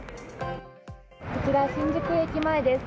こちら、新宿駅前です。